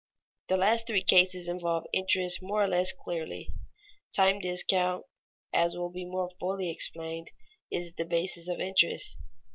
The last three cases involve interest more or less clearly. Time discount, as will be more fully explained, is the basis of interest.